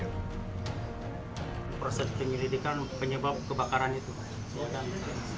proses penyelidikan penyebab kebakaran itu